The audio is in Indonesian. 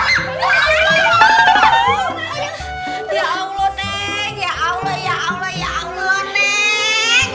ya allah nek ya allah ya allah ya allah nek